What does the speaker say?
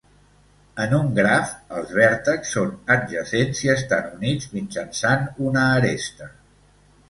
En un graf, els vèrtexs són adjacents si estan units mitjançant una aresta.